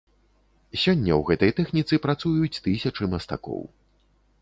Сёння ў гэтай тэхніцы працуюць тысячы мастакоў.